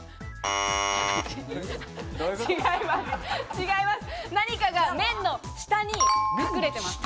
違います。